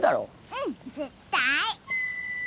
うん絶対！